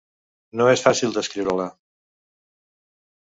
No és fàcil de descriure-la